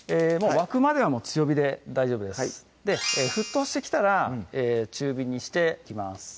沸くまでは強火で大丈夫です沸騰してきたら中火にしていきます